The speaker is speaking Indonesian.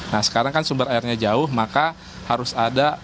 nah sekarang kan sumber airnya jauh maka harus ada